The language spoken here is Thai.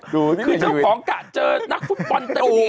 คือเจ้าของกะเจอนักฟุตปอนด์เต็มเดียว